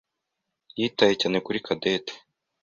yitaye cyane kuri Cadette.